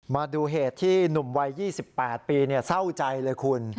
มาดูเหตุที่หนุ่มวัย๒๘ปีเศร้าใจเลยคุณ